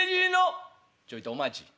「ちょいとお待ち。